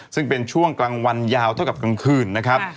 ซึ่งเป็นช่วงกลางวันยาวเท่ากับกลางคืนนะครับ